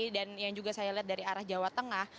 dan yang juga saya lihat dari arah jawa tengah